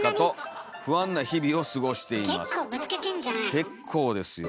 結構ですよ。